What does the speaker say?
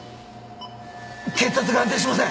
血圧が安定しません！